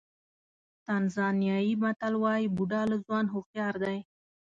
تانزانیايي متل وایي بوډا له ځوان هوښیار دی.